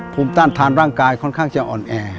ภูมิต้านทานร่างกายค่อนข้างจะอ่อนแอ